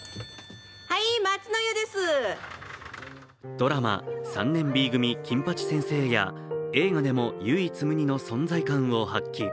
ドラマ「３年Ｂ組金八先生」や映画でも唯一無二の存在感を発揮。